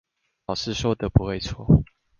老師說的不會錯